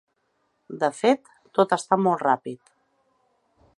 De fet, tot ha estat molt ràpid.